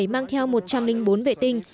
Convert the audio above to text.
mang theo một trăm linh bốn vệ tinh